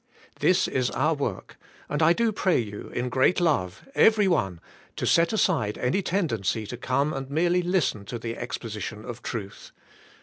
This is our work, and I do pray you in great love, every one, to set aside any tendency to come and merely to listen to the exposition of truth.